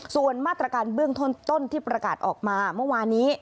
ส่วนมาตรการเบื้องต้นที่ประกาศออกมาเมื่อวานี้